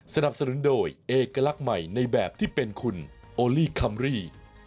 สนับสนุนโดยเอกลักษณ์ใหม่ในแบบที่เป็นคุณโอลี่คัมรี่